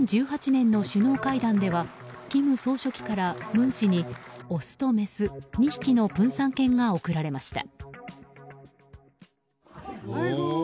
２０１８年の首脳会談では金総書記から文氏にオスとメス２匹のプンサン犬が贈られました。